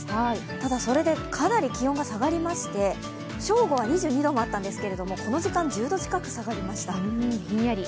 ただ、それでかなり気温が下がりまして、正午は２２度もあったんですけれどもこの時間、１０度近く下がりました。